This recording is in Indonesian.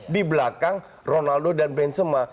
di belakang ronaldo dan benzema